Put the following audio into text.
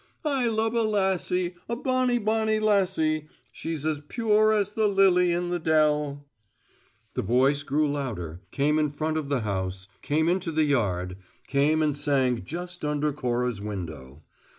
"I love a lassie, a bonnie, bonnie lassie. She's as pure as the lily in the dell " The voice grew louder; came in front of the house; came into the yard; came and sang just under Cora's window.